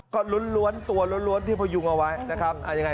ก็ล้วนตัวล้วนที่พยุงเอาไว้นะครับ